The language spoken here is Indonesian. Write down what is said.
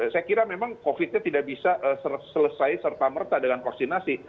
saya kira memang covid nya tidak bisa selesai serta merta dengan vaksinasi